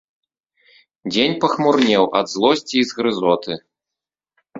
Дзень пахмурнеў ад злосці і згрызоты.